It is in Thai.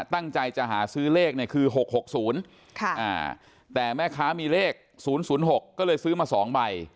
ตั้งใจจะหาซื้อเลขเนี่ยคือ๖๖๐แต่แม่ค้ามีเลข๐๐๖ก็เลยซื้อมา๒ใบ